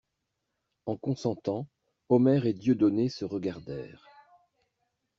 En consentant, Omer et Dieudonné se regardèrent.